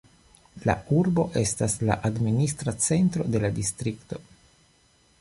La urbo estas la administra centro de la distrikto.